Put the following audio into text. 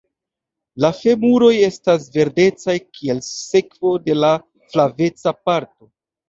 La femuroj estas verdecaj kiel sekvo de la flaveca parto.